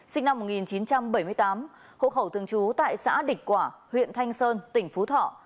sinh năm một nghìn chín trăm bảy mươi tám hộ khẩu thường trú tại xã địch quả huyện thanh sơn tỉnh phú thọ